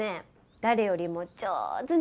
誰よりも上手なの？